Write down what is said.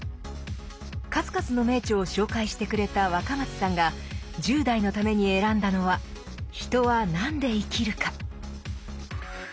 数々の名著を紹介してくれた若松さんが１０代のために選んだのは「人は何で生きるか」。